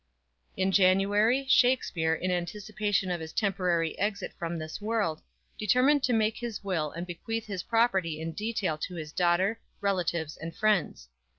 In January, Shakspere, in anticipation of his temporary exit from this world, determined to make his will and bequeath his property in detail to his daughter, relatives and friends.